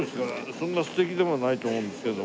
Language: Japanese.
そんな素敵でもないと思うんですけれども。